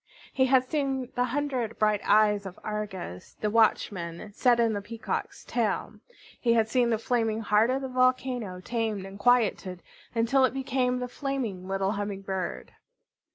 He had seen the hundred bright eyes of Argus, the watchman, set in the Peacock's tail. He had seen the flaming heart of the volcano tamed and quieted until it became the flaming little Humming Bird.